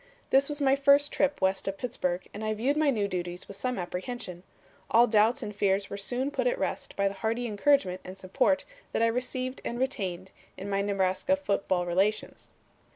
"This was my first trip west of Pittsburgh and I viewed my new duties with some apprehension. All doubts and fears were soon put at rest by the hearty encouragement and support that I received and retained in my Nebraska football relations.